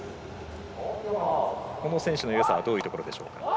この選手のよさはどういうところでしょう。